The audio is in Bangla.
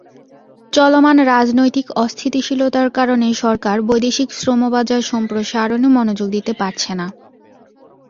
চলমান রাজনৈতিক অস্থিতিশীলতার কারণে সরকার বৈদেশিক শ্রমবাজার সম্প্রসারণে মনোযোগ দিতে পারছে না।